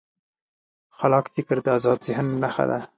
خلاق فکر د ازاد ذهن نښه ده.